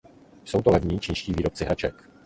Jsou to levní čínští výrobci hraček.